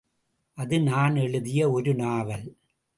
அது நான் எழுதிய ஒருநாவல்.